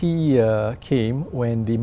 hoặc làm việc ở việt nam